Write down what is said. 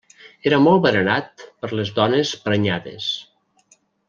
Era molt venerat per les dones prenyades.